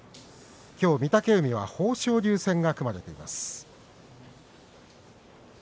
きょう御嶽海は豊昇龍戦が組まれています。